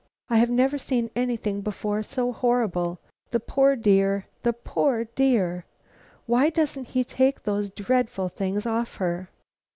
I have never seen anything before so horrible. The poor dear! The poor dear! Why don't he take those dreadful things off her?"